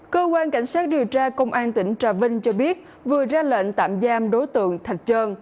cơ quan cảnh sát điều tra công an tỉnh trà vinh cho biết vừa ra lệnh tạm giam đối tượng thạch trơn